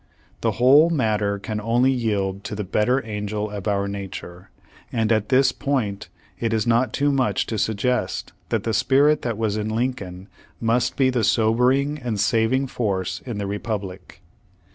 The whole matter can only yield to the "better angel of our nature," and at this point it is not too much to suggest that the spirit that was in Lincoln must be the sobering and saving force in the Republic.